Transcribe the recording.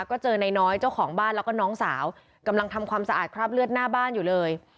ก็เจอนายน้อยเจ้าของบ้านแล้วก็น้องสาวกำลังทำความสะอาดคราบเลือดหน้าบ้านอยู่เลย